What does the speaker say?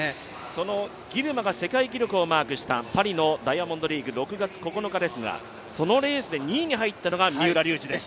そのギルマが世界記録をマークしたパリの大会６月９日ですが、そのレースで２位に入ったのが三浦龍司です。